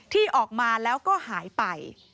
ที่ออกมาแล้วก็หายไป